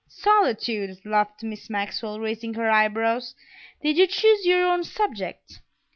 "Solitude!" laughed Miss Maxwell, raising her eyebrows. "Did you choose your own subject?"